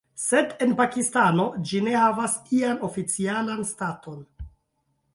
Sed en Pakistano ĝi ne havas ian oficialan staton.